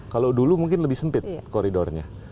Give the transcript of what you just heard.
kalau dulu mungkin lebih sempit koridornya